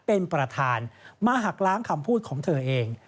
เป็นประธานมาหักล้างคำพูดของเธอเอง